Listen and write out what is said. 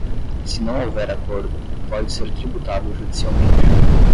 Se não houver acordo, pode ser tributado judicialmente.